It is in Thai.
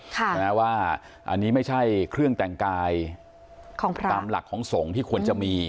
ว่าอันนี้ไม่ใช่เครื่องแต่งกายของพระตามหลักของสงฆ์ที่ควรจะมี